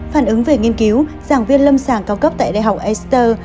phản ứng về nghiên cứu giảng viên lâm sàng cao cấp tại đại học ester